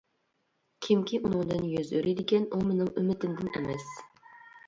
كىمكى ئۇنىڭدىن يۈز ئۆرۈيدىكەن، ئۇ مېنىڭ ئۈممىتىمدىن ئەمەس.